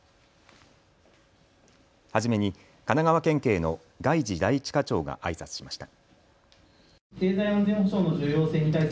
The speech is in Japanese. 初めに神奈川県警の外事第１課長があいさつしました。